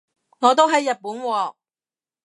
我都喺日本喎